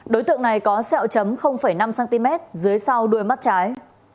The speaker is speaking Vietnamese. đối tượng này có xeo chấm năm cm dưới sau đuôi mắt trái